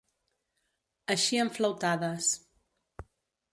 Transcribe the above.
Eixir amb flautades.